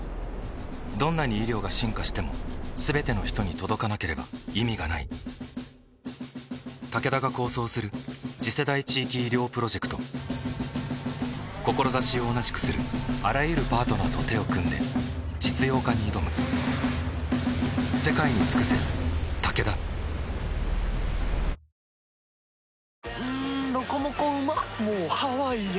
どんなに医療が進化しても全ての人に届かなければ意味がないタケダが構想する次世代地域医療プロジェクト志を同じくするあらゆるパートナーと手を組んで実用化に挑むおいしくしたいただそれだけ清々堂々清らかなる傑作「伊右衛門」